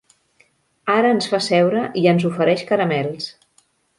Ara ens fa seure i ens ofereix caramels.